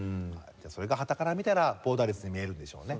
それがはたから見たらボーダレスに見えるんでしょうね。